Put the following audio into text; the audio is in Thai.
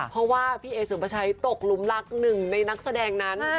เพราะว่าพี่เอสุภาชัยตกหลุมรักหนึ่งในนักแสดงนั้น